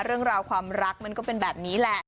เรื่องราวความรักมันก็เป็นแบบนี้แหละ